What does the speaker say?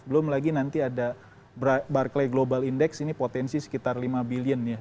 belum lagi nanti ada barcle global index ini potensi sekitar lima billion ya